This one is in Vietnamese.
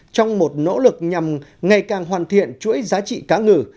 trong một nỗ lực nhằm ngày càng hoàn thiện chuỗi giá trị cá ngừ